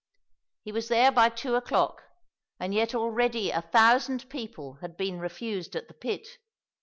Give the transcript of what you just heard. He was there by two o'clock, and yet already a thousand people had been refused at the pit.